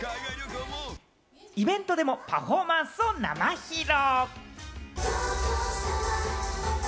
イベントでもパフォーマンスを生披露。